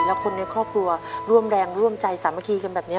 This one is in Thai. และคนในครอบครัวร่วมแรงร่วมใจสามัคคีกันแบบนี้